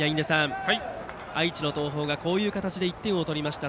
愛知の東邦がこういう形で１点を取りました。